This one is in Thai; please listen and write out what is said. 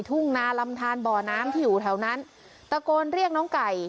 ทุ่งนาลำทานบ่อน้ำที่อยู่แถวนั้นตะโกนเรียกน้องไก่